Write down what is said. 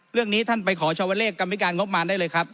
เรื่องนี้ท่านไปขอชาวเลขกรรมธิการงบมารได้เลยครับ